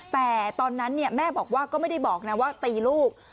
แต่ตอนนั้นแม่บอกว่าก็ไม่ได้บอกนะว่าตีลูก